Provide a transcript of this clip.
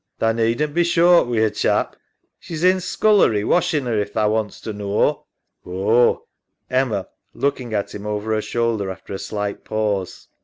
Tha needn't be short wi' a chap. EMMA. She's in scullery washin' 'er if tha wants to knaw. SAM. Oh ! EMMA (looking at him over her shoulder after a slight pause).